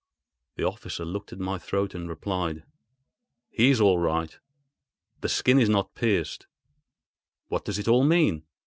The officer looked at my throat and replied: "He is all right; the skin is not pierced. What does it all mean?